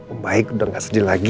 om baik udah gak sedih lagi